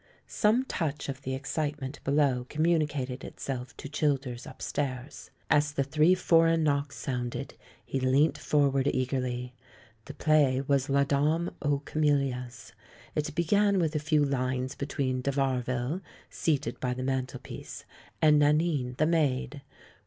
Some touch of the excitement below communi cated itself to Childers upstairs. As the three foreign knocks sounded, he leant forward eager ly. The play was JLa Dame Aux Camelias. It began with a few lines between de Varville, seat ed by the mantelpiece, and Nanine, the maid.